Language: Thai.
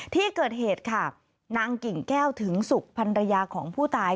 ที่เกิดเหตุค่ะนางกิ่งแก้วถึงสุกพันรยาของผู้ตาย